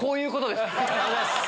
ありがとうございます！